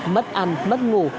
mất ăn mất ngủ